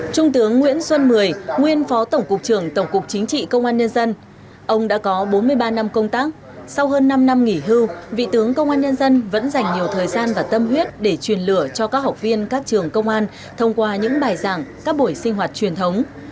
trung tướng nguyễn xuân mười nguyên phó tổng cục trưởng tổng cục chính trị công an nhân dân ông đã có bốn mươi ba năm công tác sau hơn năm năm nghỉ hưu vị tướng công an nhân dân vẫn dành nhiều thời gian và tâm huyết để truyền lửa cho các học viên các trường công an thông qua những bài giảng các buổi sinh hoạt truyền thống